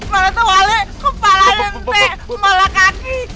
mana tuh wale kepala lente kepala kaki